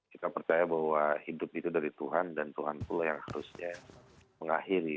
kita percaya bahwa hidup itu dari tuhan dan tuhan pula yang harusnya mengakhiri